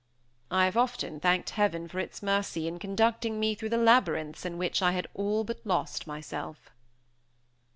I have often thanked heaven for its mercy in conducting me through the labyrinths in which I had all but lost myself.